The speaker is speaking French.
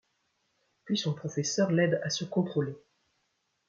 Puis son professeur l'aide à se contrôler.